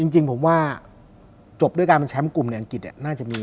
จริงผมว่าจบด้วยการเป็นแชมป์กลุ่มในอังกฤษน่าจะมี